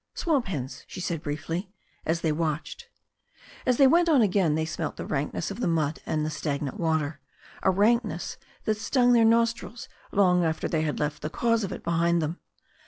"Swamp hens," she said briefly, as they watched. , As they went on again they smelt the rankness of the mud and the stagnant water, a rankness that stung their nostrils long after they had left the cause of it behind them.